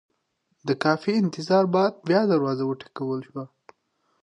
د کافي انتظاره بعد بیا دروازه وټکول شوه.